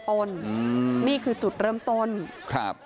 ขอบคุณครับขอบคุณครับ